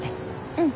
うん。